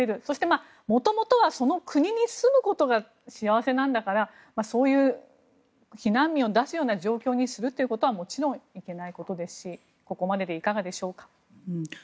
そして元々は、その国に住むことが幸せなんだからそういう避難民を出すような状況にするってことはもちろんいけないことですしここまででいかがでしょうか。